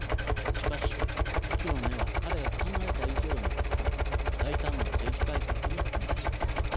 しかし危機の根は彼が考えた以上に深く大胆な政治改革に踏み出します。